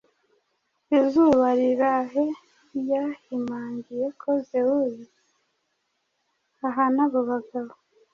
Izuba Rirahe yahimangiye ko Zewui ahana abo bagabo